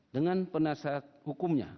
dengan penasihat hukumnya